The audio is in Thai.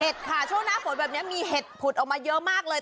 ค่ะช่วงหน้าฝนแบบนี้มีเห็ดผุดออกมาเยอะมากเลย